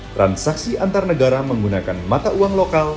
transaksi antar negara menggunakan mata uang lokal